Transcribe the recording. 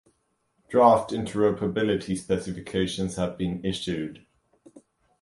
Draft interoperability specifications have been issued.